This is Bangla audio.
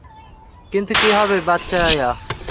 কিন্তু কী হইবে বাচাইয়া?